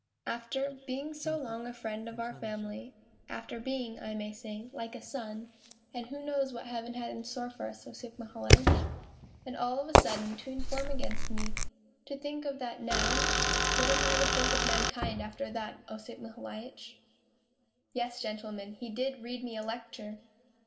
' After being so long a friend of our family, after being, I may say, like a son and who knows what Heaven had in store for us, Osip Mihailitch ? and all of a sudden to inform against me to think of that now !... What am I to think of mankind after that, Osip Mihailitch ?' Yes, gentlemen, he did read me a lecture